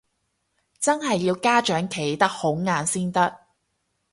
真係要家長企得好硬先得